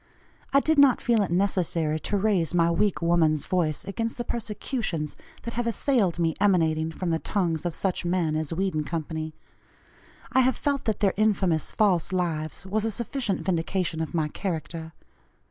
I did not feel it necessary to raise my weak woman's voice against the persecutions that have assailed me emanating from the tongues of such men as Weed & Co. I have felt that their infamous false lives was a sufficient vindication of my character.